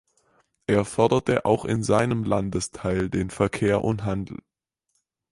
Er förderte auch in seinem Landesteil den Verkehr und Handel.